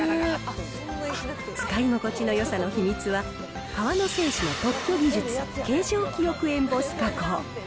使い心地のよさの秘密は、河野製紙の特許技術、形状記憶エンボス加工。